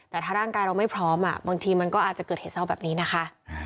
แต่ถ้าร่างกายเราไม่พร้อมบางทีมันก็อาจจะเกิดเหตุเศร้าแบบนี้นะคะ